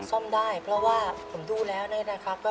ซ่อมได้เพราะว่าผมดูแล้วเนี่ยนะครับ